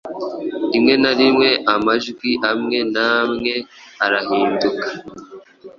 Rimwe na rimwe amajwi amwe n’amwe arahinduka.